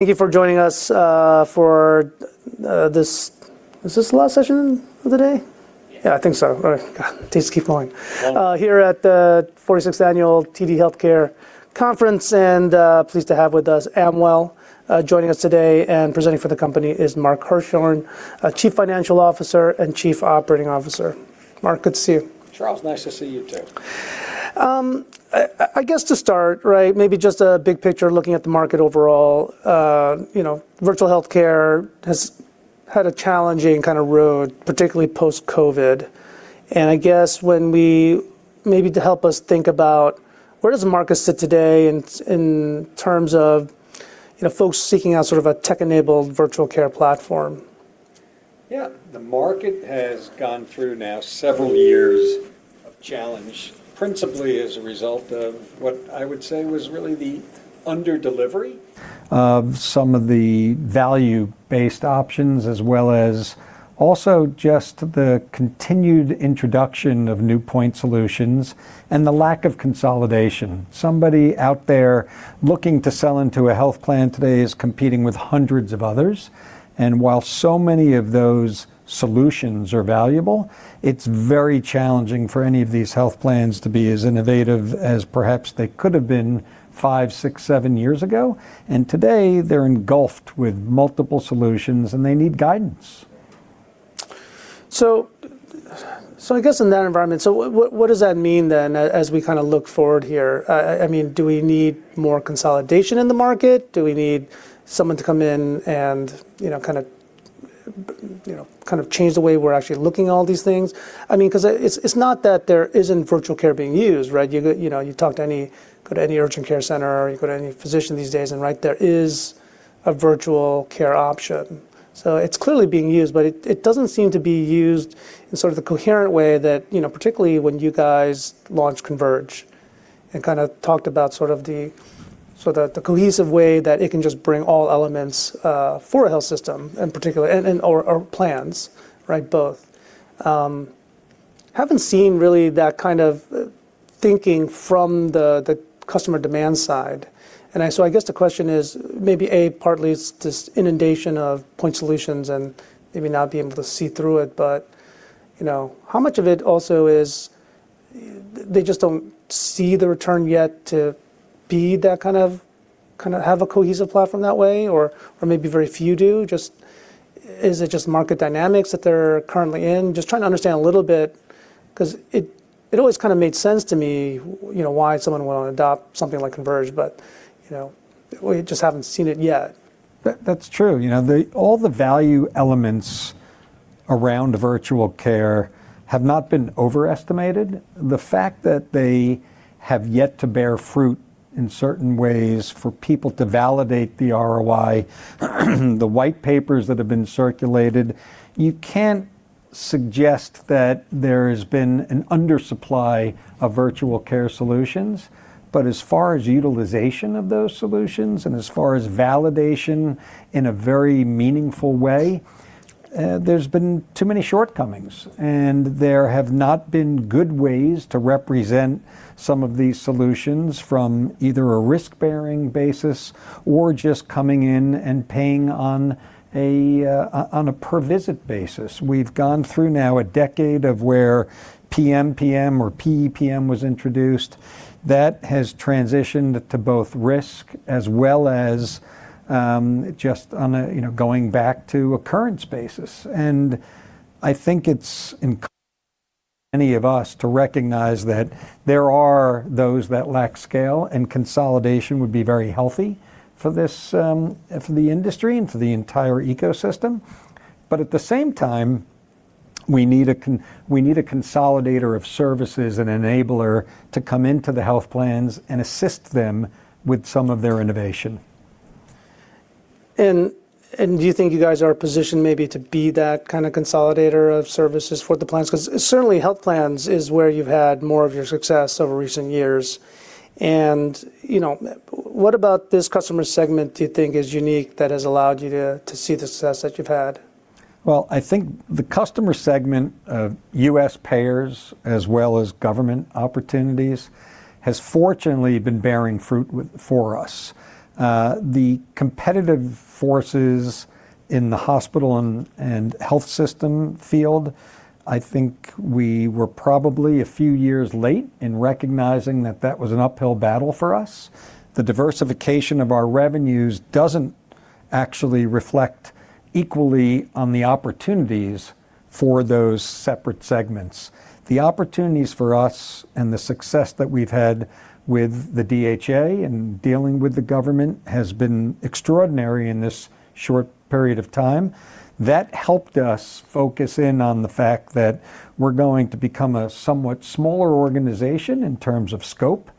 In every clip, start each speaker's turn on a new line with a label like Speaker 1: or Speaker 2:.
Speaker 1: Thank you for joining us, for, Is this the last session of the day?
Speaker 2: Yeah.
Speaker 1: Yeah, I think so. All right. God. Please keep going.
Speaker 2: Well-
Speaker 1: Here at the 46th annual TD Healthcare Conference, and pleased to have with us Amwell. Joining us today and presenting for the company is Mark Hirschhorn, our Chief Financial Officer and Chief Operating Officer. Mark, good to see you.
Speaker 2: Charles, nice to see you too.
Speaker 1: I guess to start, right? Maybe just a big picture looking at the market overall. You know, virtual healthcare has had a challenging kinda road, particularly post-COVID. I guess when we Maybe to help us think about where does the market sit today in terms of, you know, folks seeking out sort of a tech-enabled virtual care platform?
Speaker 2: Yeah. The market has gone through now several years of challenge, principally as a result of what I would say was really the under-delivery of some of the value-based options, as well as also just the continued introduction of new point solutions and the lack of consolidation. Somebody out there looking to sell into a health plan today is competing with hundreds of others, and while so many of those solutions are valuable, it's very challenging for any of these health plans to be as innovative as perhaps they could have been five, six, seven years ago. Today, they're engulfed with multiple solutions, and they need guidance.
Speaker 1: I guess in that environment, so what does that mean then as we kinda look forward here? I mean, do we need more consolidation in the market? Do we need someone to come in and, you know, kinda, you know, kind of change the way we're actually looking at all these things? I mean, 'cause it's not that there isn't virtual care being used, right? You know, you talk to any... Go to any urgent care center, or you go to any physician these days and right there is a virtual care option. It's clearly being used, but it doesn't seem to be used in sort of the coherent way that, you know, particularly when you guys launched Converge and kinda talked about sort of the cohesive way that it can just bring all elements for a health system in particular, or plans, right? Both. Haven't seen really that kind of thinking from the customer demand side. I guess the question is maybe, A, partly it's this inundation of point solutions and maybe not being able to see through it. You know, how much of it also is they just don't see the return yet to be that kind of have a cohesive platform that way, or maybe very few do? Is it just market dynamics that they're currently in? Just trying to understand a little bit, 'cause it always kinda made sense to me, you know, why someone would wanna adopt something like Converge, but, you know, we just haven't seen it yet.
Speaker 2: That's true. You know, all the value elements around virtual care have not been overestimated. The fact that they have yet to bear fruit in certain ways for people to validate the ROI, the white papers that have been circulated, you can't suggest that there has been an undersupply of virtual care solutions. As far as utilization of those solutions and as far as validation in a very meaningful way, there's been too many shortcomings, and there have not been good ways to represent some of these solutions from either a risk-bearing basis or just coming in and paying on a per visit basis. We've gone through now a decade of where PMPM or PEPM was introduced. That has transitioned to both risk as well as, you know, just on a going back to occurrence basis. I think it's incumbent on many of us to recognize that there are those that lack scale, and consolidation would be very healthy for this, for the industry and for the entire ecosystem. At the same time, we need a consolidator of services and enabler to come into the health plans and assist them with some of their innovation.
Speaker 1: Do you think you guys are positioned maybe to be that kinda consolidator of services for the plans? 'Cause certainly, health plans is where you've had more of your success over recent years. You know, what about this customer segment do you think is unique that has allowed you to see the success that you've had?
Speaker 2: Well, I think the customer segment of U.S. payers as well as government opportunities has fortunately been bearing fruit for us. The competitive forces in the hospital and health system field, I think we were probably a few years late in recognizing that that was an uphill battle for us. The diversification of our revenues doesn't actually reflect equally on the opportunities for those separate segments. The opportunities for us and the success that we've had with the DHA and dealing with the government has been extraordinary in this short period of time. That helped us focus in on the fact that we're going to become a somewhat smaller organization in terms of scope,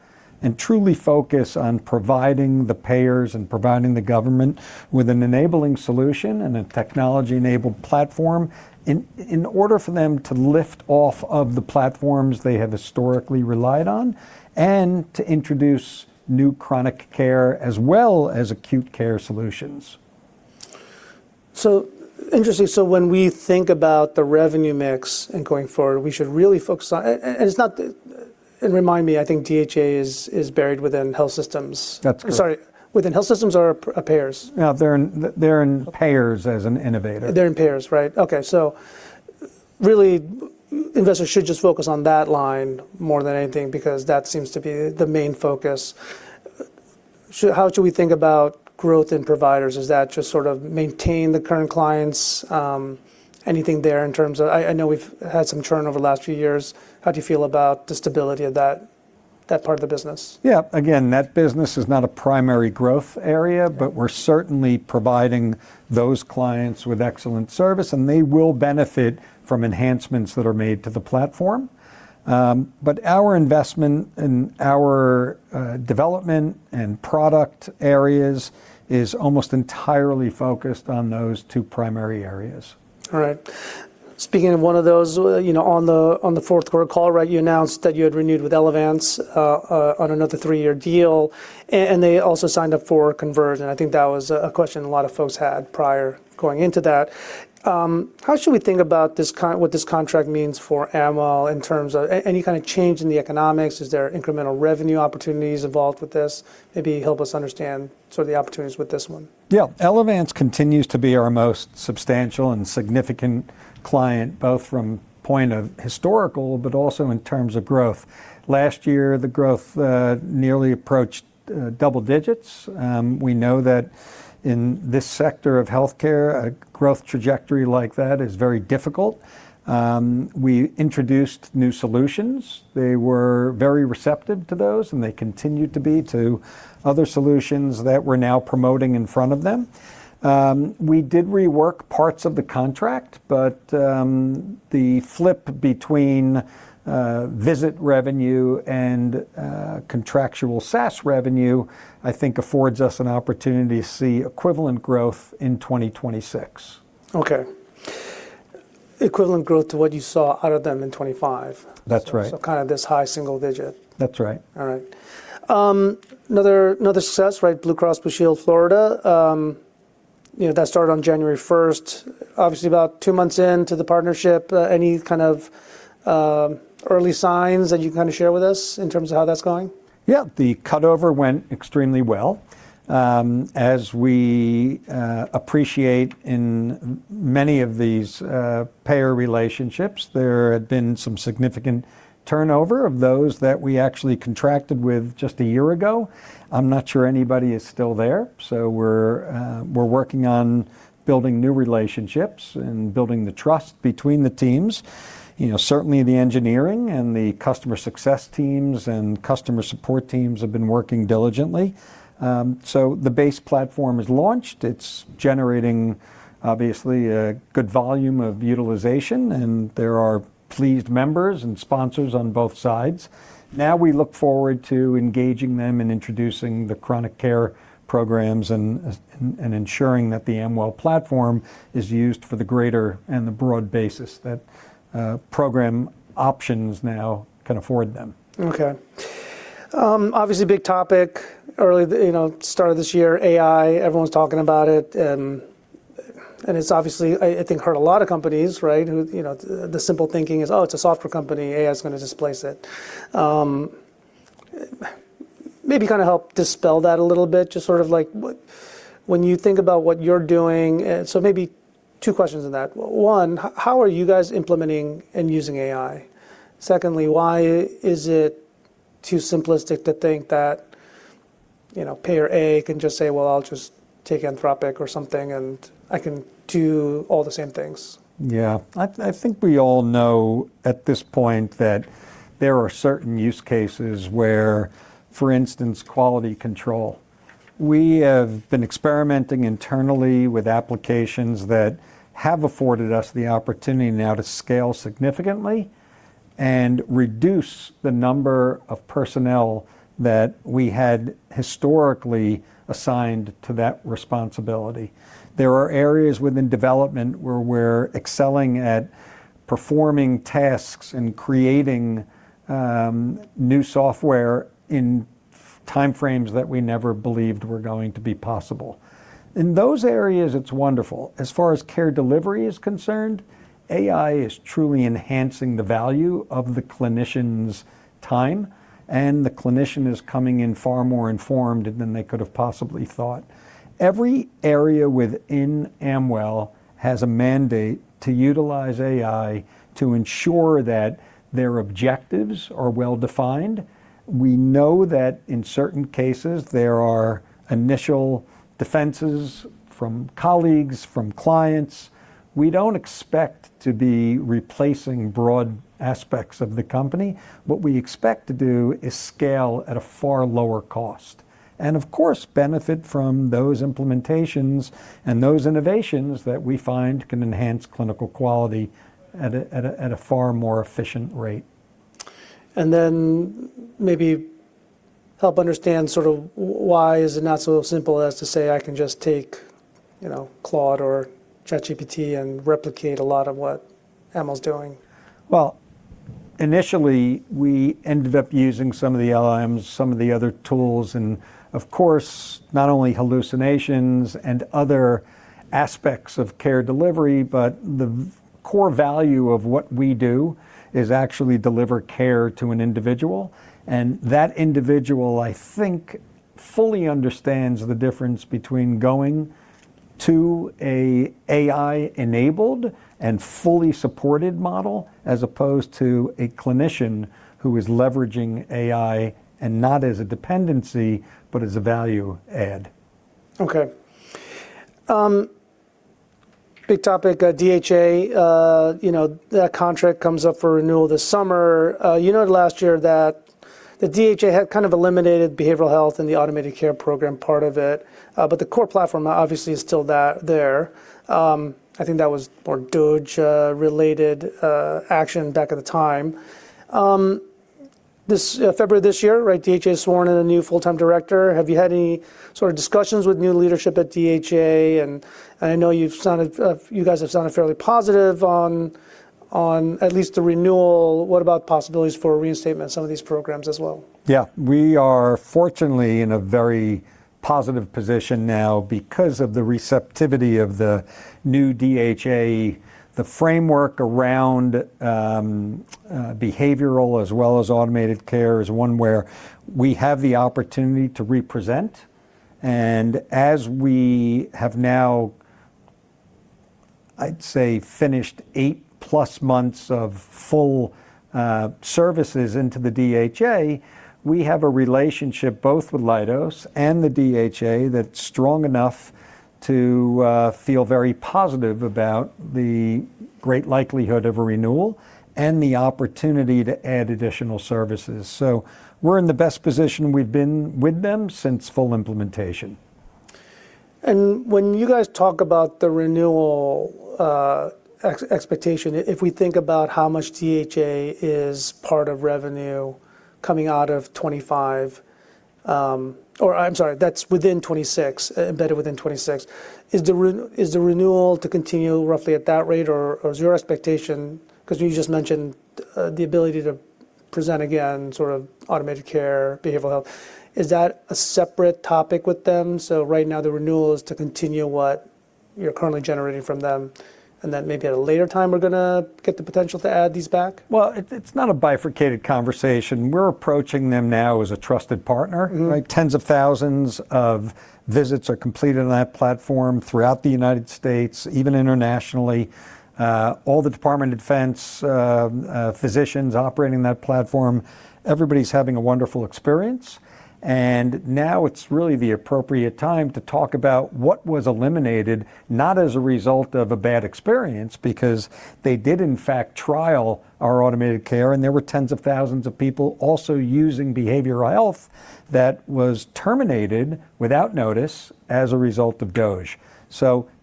Speaker 2: and truly focus on providing the payers and providing the government with an enabling solution and a technology-enabled platform in order for them to lift off of the platforms they have historically relied on and to introduce new chronic care as well as acute care solutions.
Speaker 1: Interesting. When we think about the revenue mix and going forward, we should really focus on... Remind me, I think DHA is buried within health systems.
Speaker 2: That's correct.
Speaker 1: Sorry. Within health systems or appears?
Speaker 2: No, they're in payers as an innovator.
Speaker 1: They're in payers, right. Okay. Really, investors should just focus on that line more than anything because that seems to be the main focus. How should we think about growth in providers? Is that just sort of maintain the current clients? Anything there in terms of... I know we've had some churn over the last few years. How do you feel about the stability of that part of the business?
Speaker 2: Yeah. Again, that business is not a primary growth area.
Speaker 1: Yeah.
Speaker 2: We're certainly providing those clients with excellent service, and they will benefit from enhancements that are made to the platform. Our investment in our development and product areas is almost entirely focused on those two primary areas.
Speaker 1: All right. Speaking of one of those, you know, on the 4th quarter call, right, you announced that you had renewed with Elevance on another three-year deal, and they also signed up for Converge. I think that was a question a lot of folks had prior going into that. How should we think about what this contract means for Amwell in terms of any kind of change in the economics? Is there incremental revenue opportunities involved with this? Maybe help us understand sort of the opportunities with this one.
Speaker 2: Elevance continues to be our most substantial and significant client, both from point of historical but also in terms of growth. Last year, the growth nearly approached double digits. We know that in this sector of healthcare, a growth trajectory like that is very difficult. We introduced new solutions. They were very receptive to those, and they continued to be to other solutions that we're now promoting in front of them. We did rework parts of the contract, but the flip between visit revenue and contractual SaaS revenue, I think affords us an opportunity to see equivalent growth in 2026.
Speaker 1: Okay. Equivalent growth to what you saw out of them in 2025.
Speaker 2: That's right.
Speaker 1: kind of this high single digit.
Speaker 2: That's right.
Speaker 1: All right. another success, right? Blue Cross Blue Shield, Florida. you know, that started on January first. Obviously, about two months in to the partnership, any kind of, early signs that you can share with us in terms of how that's going?
Speaker 2: Yeah. The cutover went extremely well. As we appreciate in many of these payer relationships, there had been some significant turnover of those that we actually contracted with just a year ago. I'm not sure anybody is still there. We're working on building new relationships and building the trust between the teams. You know, certainly the engineering and the customer success teams and customer support teams have been working diligently. The base platform is launched. It's generating, obviously, a good volume of utilization, and there are pleased members and sponsors on both sides. Now we look forward to engaging them and introducing the chronic care programs and ensuring that the Amwell platform is used for the greater and the broad basis that program options now can afford them.
Speaker 1: Okay. Obviously big topic early, you know, start of this year, AI, everyone's talking about it. It's obviously I think hurt a lot of companies, right? Who, you know, the simple thinking is, oh, it's a software company, AI is gonna displace it. Maybe kinda help dispel that a little bit, just sort of like when you think about what you're doing. Maybe two questions in that. One, how are you guys implementing and using AI? Secondly, why is it too simplistic to think that, you know, payer A can just say, "Well, I'll just take Anthropic or something, and I can do all the same things.
Speaker 2: Yeah. I think we all know at this point that there are certain use cases where, for instance, quality control. We have been experimenting internally with applications that have afforded us the opportunity now to scale significantly and reduce the number of personnel that we had historically assigned to that responsibility. There are areas within development where we're excelling at performing tasks and creating new software in time frames that we never believed were going to be possible. In those areas, it's wonderful. As far as care delivery is concerned, AI is truly enhancing the value of the clinician's time, and the clinician is coming in far more informed than they could have possibly thought. Every area within Amwell has a mandate to utilize AI to ensure that their objectives are well-defined. We know that in certain cases, there are initial defenses from colleagues, from clients. We don't expect to be replacing broad aspects of the company. What we expect to do is scale at a far lower cost, and of course, benefit from those implementations and those innovations that we find can enhance clinical quality at a far more efficient rate.
Speaker 1: Then maybe help understand sort of why is it not so simple as to say, I can just take, you know, Claude or ChatGPT and replicate a lot of what Amwell is doing.
Speaker 2: Well, initially, we ended up using some of the LLMs, some of the other tools, and of course, not only hallucinations and other aspects of care delivery, but the core value of what we do is actually deliver care to an individual and that individual, I think, fully understands the difference between going to an AI-enabled and fully supported model as opposed to a clinician who is leveraging AI and not as a dependency but as a value add.
Speaker 1: Okay. big topic, DHA, you know, that contract comes up for renewal this summer. You noted last year that the DHA had kind of eliminated behavioral health and the automated care program part of it, the core platform obviously is still that there. I think that was more DOGE related action back at the time. This February this year, right, DHA sworn in a new full-time director. Have you had any sort of discussions with new leadership at DHA? I know you've sounded, you guys have sounded fairly positive on at least the renewal. What about possibilities for a reinstatement of some of these programs as well?
Speaker 2: Yeah. We are fortunately in a very positive position now because of the receptivity of the new DHA. The framework around behavioral as well as automated care is one where we have the opportunity to represent. As we have now, I'd say finished 8+ months of full services into the DHA, we have a relationship both with Leidos and the DHA that's strong enough to feel very positive about the great likelihood of a renewal and the opportunity to add additional services. We're in the best position we've been with them since full implementation.
Speaker 1: When you guys talk about the renewal expectation, if we think about how much DHA is part of revenue coming out of 25, or I'm sorry, that's within 26, embedded within 26. Is the renewal to continue roughly at that rate or is your expectation, 'cause you just mentioned the ability to present again sort of automated care, behavioral health, is that a separate topic with them? Right now, the renewal is to continue what you're currently generating from them, and then maybe at a later time, we're gonna get the potential to add these back?
Speaker 2: Well, it's not a bifurcated conversation. We're approaching them now as a trusted partner.
Speaker 1: Mm.
Speaker 2: Like tens of thousands of visits are completed on that platform throughout the U.S., even internationally. All the Department of Defense physicians operating that platform, everybody's having a wonderful experience. Now it's really the appropriate time to talk about what was eliminated, not as a result of a bad experience, because they did in fact trial our automated care, and there were tens of thousands of people also using behavioral health that was terminated without notice as a result of DOGE.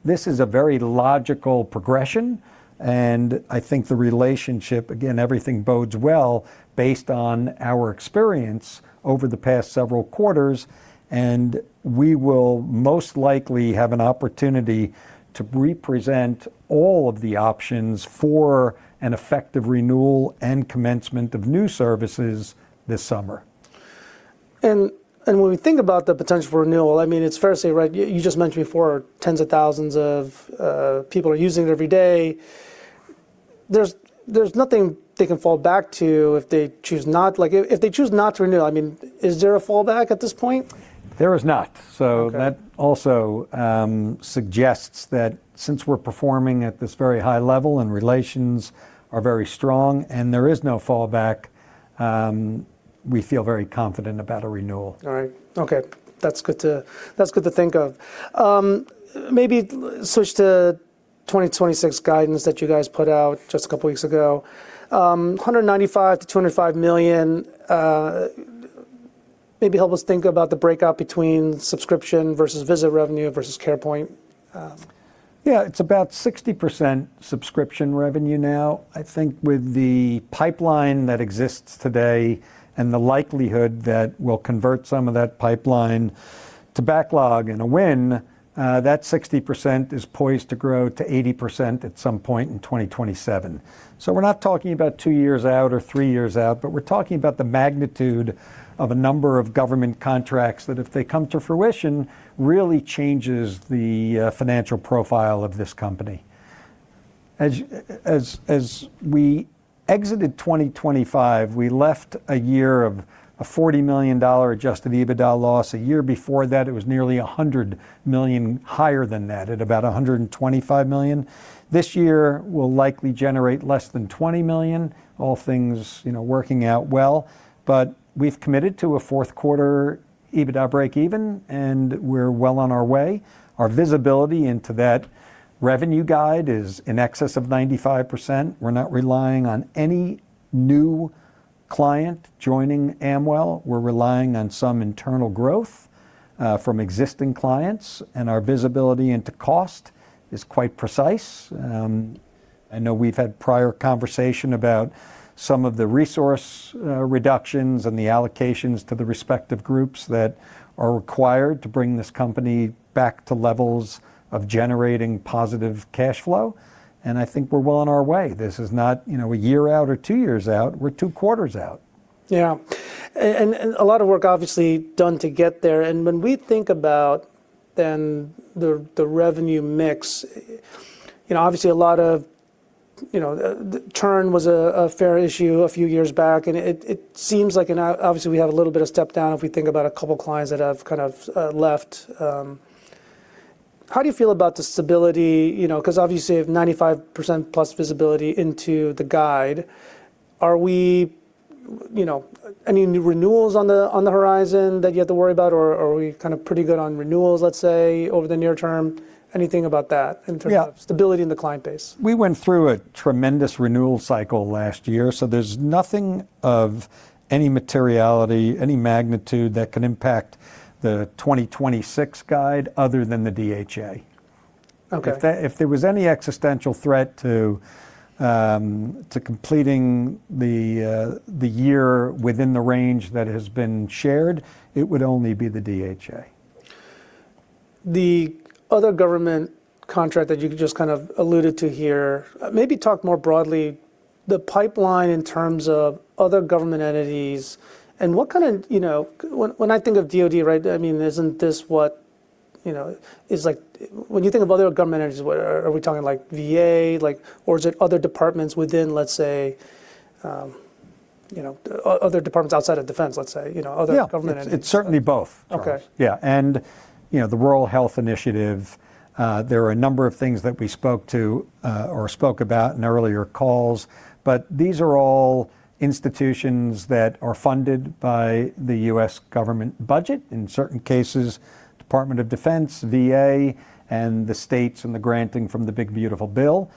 Speaker 2: This is a very logical progression, and I think the relationship, again, everything bodes well based on our experience over the past several quarters, and we will most likely have an opportunity to represent all of the options for an effective renewal and commencement of new services this summer.
Speaker 1: When we think about the potential for renewal, I mean, it's fair to say, right, you just mentioned before, tens of thousands of people are using it every day. There's nothing they can fall back to if they choose not. Like if they choose not to renew, I mean, is there a fallback at this point?
Speaker 2: There is not.
Speaker 1: Okay.
Speaker 2: That also suggests that since we're performing at this very high level and relations are very strong and there is no fallback, we feel very confident about a renewal.
Speaker 1: All right. Okay. That's good to think of. Maybe switch to 2026 guidance that you guys put out just a couple weeks ago. $195 million-$205 million, maybe help us think about the breakout between subscription versus visit revenue versus Carepoint.
Speaker 2: It's about 60% subscription revenue now. I think with the pipeline that exists today and the likelihood that we'll convert some of that pipeline to backlog and a win, that 60% is poised to grow to 80% at some point in 2027. We're not talking about two years out or three years out, but we're talking about the magnitude of a number of government contracts that if they come to fruition, really changes the financial profile of this company. As we exited 2025, we left a year of a $40 million adjusted EBITDA loss. A year before that, it was nearly $100 million higher than that at about $125 million. This year will likely generate less than $20 million, all things, you know, working out well. We've committed to a fourth quarter EBITDA break even, and we're well on our way. Our visibility into that revenue guide is in excess of 95%. We're not relying on any new client joining Amwell. We're relying on some internal growth from existing clients, and our visibility into cost is quite precise. I know we've had prior conversation about some of the resource reductions and the allocations to the respective groups that are required to bring this company back to levels of generating positive cash flow, and I think we're well on our way. This is not, you know, a year out or two years out, we're two quarters out.
Speaker 1: Yeah. A lot of work obviously done to get there. When we think about then the revenue mix, you know, obviously a lot of, you know, the turn was a fair issue a few years back, and it seems like and obviously we have a little bit of step down if we think about a couple clients that have kind of left. How do you feel about the stability? You know, 'cause obviously you have 95% plus visibility into the guide. Are we, you know, any renewals on the horizon that you have to worry about, or are we kinda pretty good on renewals, let's say, over the near term? Anything about that in terms.
Speaker 2: Yeah
Speaker 1: of stability in the client base?
Speaker 2: We went through a tremendous renewal cycle last year, there's nothing of any materiality, any magnitude that can impact the 2026 guide other than the DHA.
Speaker 1: Okay.
Speaker 2: If there was any existential threat to completing the year within the range that has been shared, it would only be the DHA.
Speaker 1: The other government contract that you just kind of alluded to here, maybe talk more broadly, the pipeline in terms of other government entities and what kind of? You know, when I think of DoD, right, I mean, isn't this what, you know? Is like when you think of other government agencies, what, are we talking like VA? Like, or is it other departments within, let's say, you know, other departments outside of defense, let's say, you know, other government.
Speaker 2: Yeah
Speaker 1: entities.
Speaker 2: It's certainly both, Charles.
Speaker 1: Okay.
Speaker 2: Yeah. you know, the Rural Health Initiative, there are a number of things that we spoke to, or spoke about in earlier calls, but these are all institutions that are funded by the U.S. government budget, in certain cases, Department of Defense, VA, and the states, and the granting from the big, beautiful bill.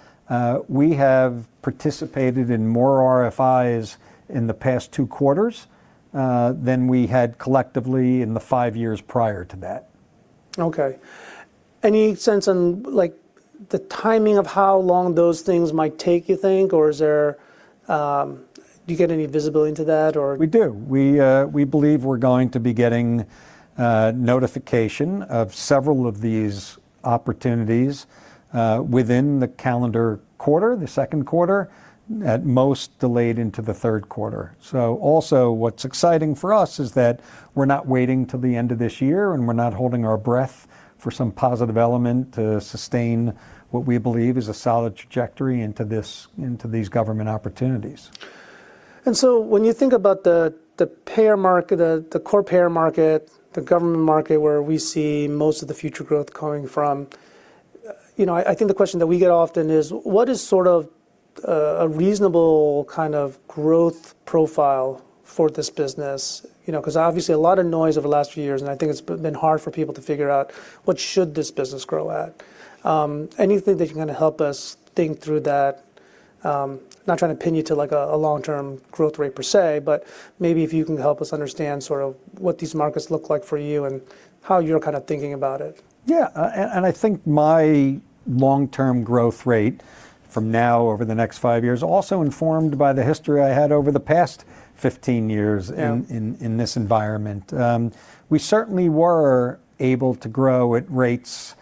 Speaker 2: We have participated in more RFIs in the past 2 quarters than we had collectively in the five years prior to that.
Speaker 1: Okay. Any sense on, like, the timing of how long those things might take, you think? Or is there, do you get any visibility into that or?
Speaker 2: We do. We believe we're going to be getting notification of several of these opportunities within the calendar quarter, the second quarter, at most delayed into the third quarter. Also what's exciting for us is that we're not waiting till the end of this year, and we're not holding our breath for some positive element to sustain what we believe is a solid trajectory into this, into these government opportunities.
Speaker 1: When you think about the payer market, the core payer market, the government market, where we see most of the future growth coming from, you know, I think the question that we get often is what is sort of a reasonable kind of growth profile for this business? You know, 'cause obviously a lot of noise over the last few years, and I think it's been hard for people to figure out what should this business grow at. Anything that you can help us think through that, not trying to pin you to like a long-term growth rate per se, but maybe if you can help us understand sort of what these markets look like for you and how you're kind of thinking about it.
Speaker 2: Yeah. I think my long-term growth rate from now over the next five years, also informed by the history I had over the past 15 years.
Speaker 1: Yeah
Speaker 2: in this environment. We certainly were able to grow at rates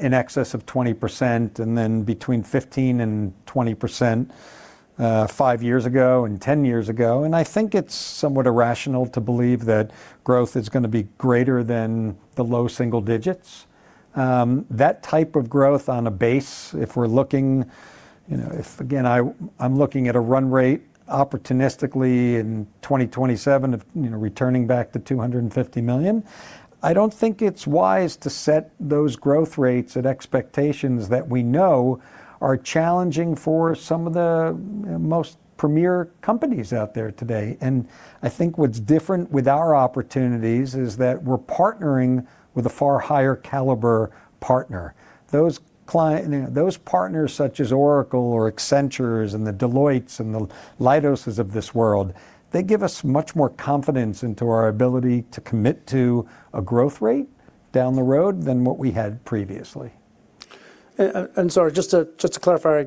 Speaker 2: in excess of 20% and then between 15% and 20%, five years ago and 10 years ago. I think it's somewhat irrational to believe that growth is gonna be greater than the low single digits. That type of growth on a base, if we're looking, you know, if, again, I'm looking at a run rate opportunistically in 2027 of, you know, returning back to $250 million, I don't think it's wise to set those growth rates at expectations that we know are challenging for some of the most premier companies out there today. I think what's different with our opportunities is that we're partnering with a far higher caliber partner. Those You know, those partners such as Oracle or Accentures and the Deloittes and the Leidos' of this world, they give us much more confidence into our ability to commit to a growth rate down the road than what we had previously.
Speaker 1: Sorry, just to clarify,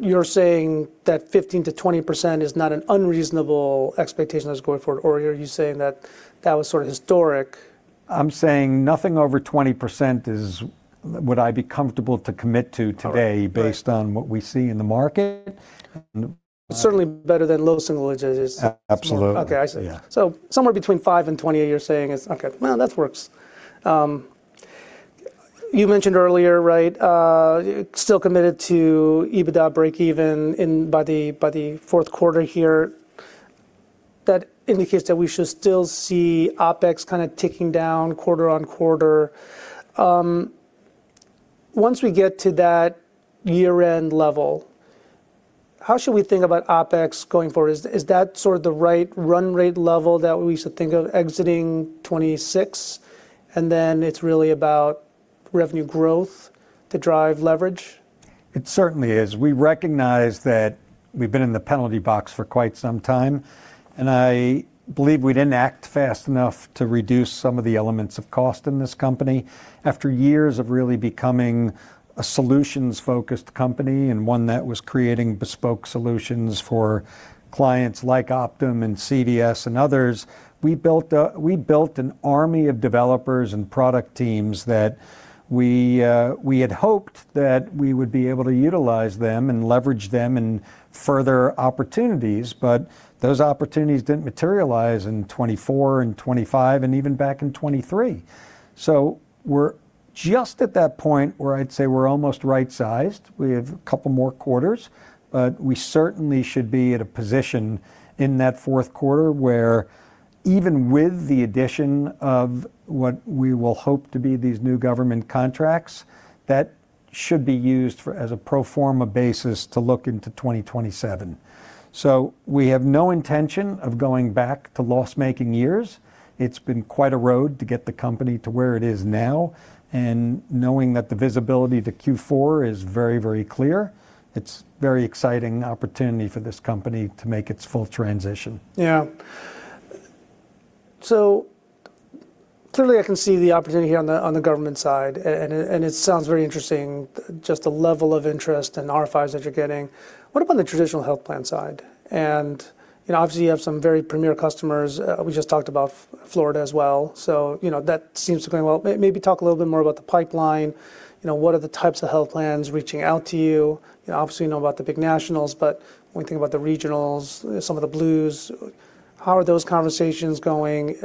Speaker 1: you're saying that 15%-20% is not an unreasonable expectation that's going forward, or are you saying that was sort of historic?
Speaker 2: I'm saying nothing over 20% would I be comfortable to commit to today.
Speaker 1: Okay. Right....
Speaker 2: based on what we see in the market.
Speaker 1: Certainly better than low single digits.
Speaker 2: Absolutely.
Speaker 1: Okay, I see.
Speaker 2: Yeah.
Speaker 1: Somewhere between 5 and 20 you're saying is. Okay. Well, that works. You mentioned earlier, right, still committed to EBITDA breakeven by the fourth quarter here. That indicates that we should still see OpEx kinda ticking down quarter on quarter. Once we get to that year-end level, how should we think about OpEx going forward? Is that sort of the right run rate level that we should think of exiting 2026, and then it's really about revenue growth to drive leverage?
Speaker 2: It certainly is. We recognize that we've been in the penalty box for quite some time. I believe we didn't act fast enough to reduce some of the elements of cost in this company. After years of really becoming a solutions-focused company and one that was creating bespoke solutions for clients like Optum and CVS and others, we built an army of developers and product teams that we had hoped that we would be able to utilize them and leverage them in further opportunities. Those opportunities didn't materialize in 2024 and 2025 and even back in 2023. We're just at that point where I'd say we're almost right-sized. We have a couple more quarters, we certainly should be at a position in that 4th quarter where even with the addition of what we will hope to be these new government contracts, that should be used as a pro forma basis to look into 2027. We have no intention of going back to loss-making years. It's been quite a road to get the company to where it is now, Knowing that the visibility to Q4 is very, very clear, it's very exciting opportunity for this company to make its full transition.
Speaker 1: Clearly I can see the opportunity here on the government side and it sounds very interesting, just the level of interest and RFIs that you're getting. What about the traditional health plan side? You know, obviously you have some very premier customers. We just talked about Florida as well, you know, that seems to be going well. Maybe talk a little bit more about the pipeline. You know, what are the types of health plans reaching out to you? You know, obviously you know about the big nationals, when we think about the regionals, some of the Blues, how are those conversations going?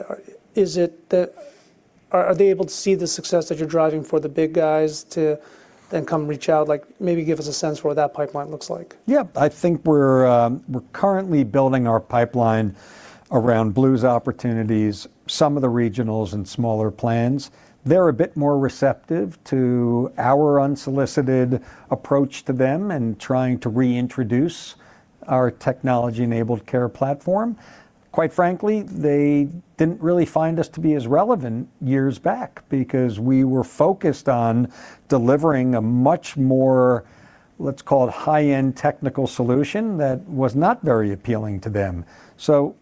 Speaker 1: Are they able to see the success that you're driving for the big guys to then come reach out? Like maybe give us a sense for what that pipeline looks like.
Speaker 2: Yeah. I think we're currently building our pipeline around Blues opportunities, some of the regionals and smaller plans. They're a bit more receptive to our unsolicited approach to them and trying to reintroduce our technology-enabled care platform. Quite frankly, they didn't really find us to be as relevant years back because we were focused on delivering a much more, let's call it high-end technical solution that was not very appealing to them.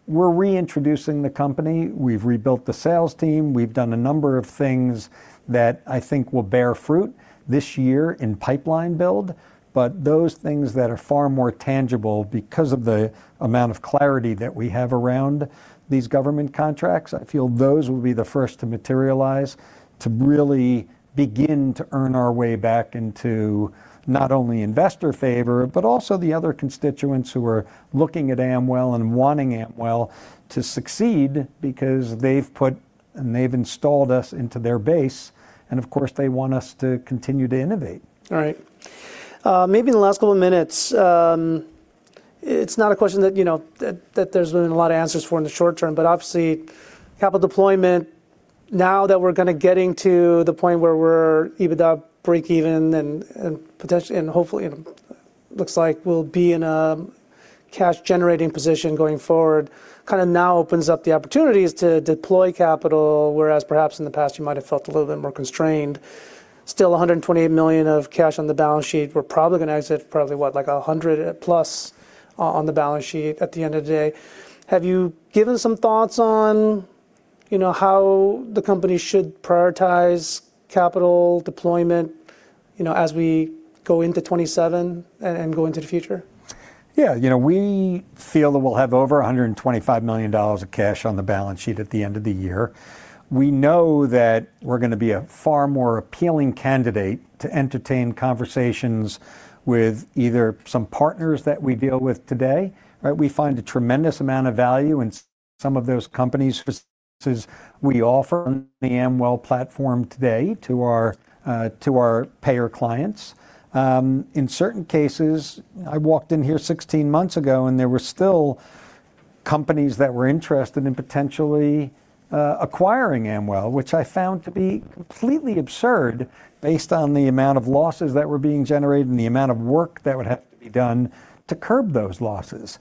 Speaker 2: We're reintroducing the company. We've rebuilt the sales team. We've done a number of things that I think will bear fruit this year in pipeline build. Those things that are far more tangible because of the amount of clarity that we have around these government contracts, I feel those will be the first to materialize, to really begin to earn our way back into not only investor favor, but also the other constituents who are looking at Amwell and wanting Amwell to succeed because they've put and they've installed us into their base, and of course, they want us to continue to innovate.
Speaker 1: All right. Maybe in the last couple of minutes, it's not a question that, you know, that there's been a lot of answers for in the short term, but obviously capital deployment, now that we're gonna getting to the point where we're EBITDA breakeven and hopefully, you know, looks like we'll be in a cash-generating position going forward, kinda now opens up the opportunities to deploy capital, whereas perhaps in the past you might have felt a little bit more constrained. Still $128 million of cash on the balance sheet. We're probably gonna exit probably what, like $100+ on the balance sheet at the end of the day. Have you given some thoughts on, you know, how the company should prioritize capital deployment, you know, as we go into 2027 and go into the future?
Speaker 2: Yeah. You know, we feel that we'll have over $125 million of cash on the balance sheet at the end of the year. We know that we're gonna be a far more appealing candidate to entertain conversations with either some partners that we deal with today. Right? We find a tremendous amount of value in some of those companies. We offer the Amwell platform today to our to our payer clients. In certain cases, I walked in here 16 months ago, and there were still companies that were interested in potentially acquiring Amwell, which I found to be completely absurd based on the amount of losses that were being generated and the amount of work that would have to be done to curb those losses.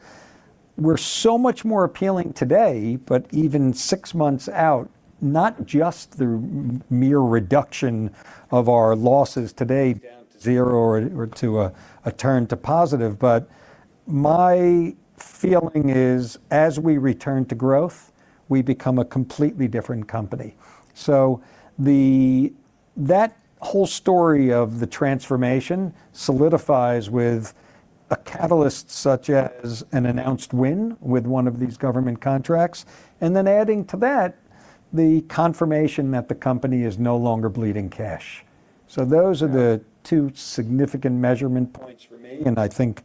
Speaker 2: We're so much more appealing today, but even six months out, not just the mere reduction of our losses today down to zero or to a turn to positive. My feeling is as we return to growth, we become a completely different company. That whole story of the transformation solidifies with a catalyst such as an announced win with one of these government contracts, and then adding to that, the confirmation that the company is no longer bleeding cash. Those are the two significant measurement points for me, and I think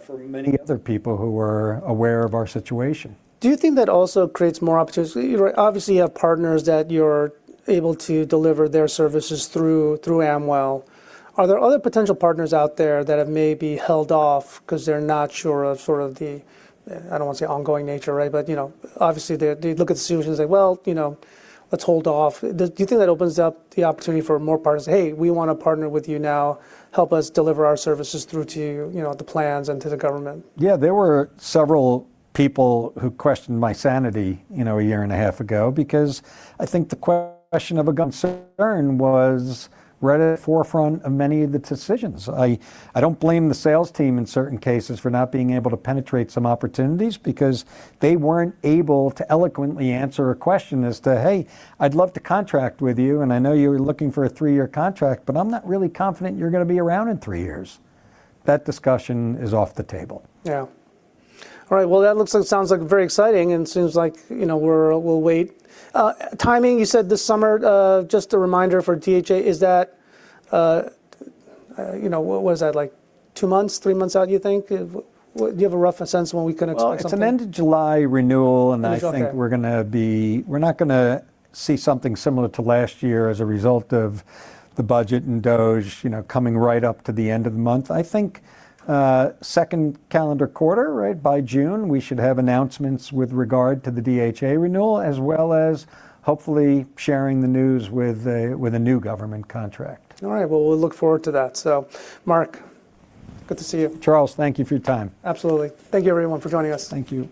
Speaker 2: for many other people who are aware of our situation.
Speaker 1: Do you think that also creates more opportunities? You know, obviously you have partners that you're able to deliver their services through Amwell. Are there other potential partners out there that have maybe held off 'cause they're not sure of sort of the, I don't wanna say ongoing nature, right, but, you know, obviously they look at the solutions and say, "Well, you know, let's hold off." Do you think that opens up the opportunity for more partners to say, "Hey, we wanna partner with you now. Help us deliver our services through to, you know, the plans and to the government"?
Speaker 2: There were several people who questioned my sanity, you know, a year and a half ago because I think the question of a concern was right at the forefront of many of the decisions. I don't blame the sales team in certain cases for not being able to penetrate some opportunities because they weren't able to eloquently answer a question as to, "Hey, I'd love to contract with you, and I know you're looking for a three-year contract, but I'm not really confident you're gonna be around in three years." That discussion is off the table.
Speaker 1: Yeah. All right. Well, that looks and sounds like very exciting and seems like, you know, we'll wait. Timing, you said this summer, just a reminder for DHA, is that, you know, what is that, like two months, three months out, you think? Do you have a rough sense when we can expect something?
Speaker 2: It's an end of July renewal, and I think we're not going to see something similar to last year as a result of the budget and DOGE, you know, coming right up to the end of the month. I think, second calendar quarter, right, by June, we should have announcements with regard to the DHA renewal, as well as hopefully sharing the news with a new government contract.
Speaker 1: All right. Well, we'll look forward to that. Mark, good to see you.
Speaker 2: Charles, thank you for your time.
Speaker 1: Absolutely. Thank you, everyone, for joining us.
Speaker 2: Thank you.